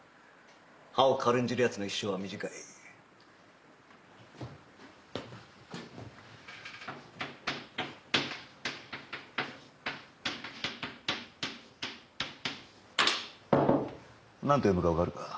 歯を軽んじる奴の一生は短い。なんて読むかわかるか？